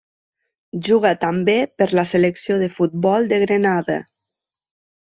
Juga també per la selecció de futbol de Grenada.